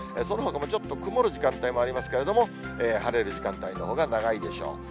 そのほかもちょっと曇る時間帯もありますけれども、晴れる時間帯のほうが長いでしょう。